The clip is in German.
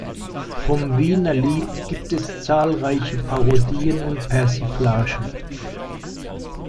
Vom Wienerlied gibt es zahlreiche Parodien und Persiflagen.